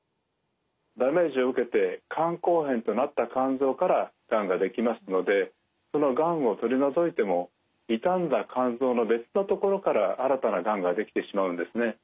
ダメージを受けて肝硬変となった肝臓からがんができますのでそのがんを取り除いても傷んだ肝臓の別の所から新たながんができてしまうんですね。